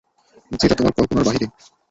যেটা তোমার কল্পনার বাহিরে।